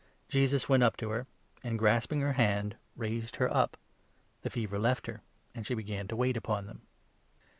Jesus went up to her and, 31 grasping her hand, raised her up ; the fever left her, and she began to wait upon them.